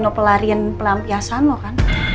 nino pelarian pelampiasan lo kan